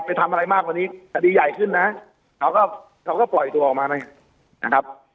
ไปทำอะไรมากกว่านี้คดีใหญ่ขึ้นนะเขาก็เขาก็ปล่อยตัวออกมานะครับ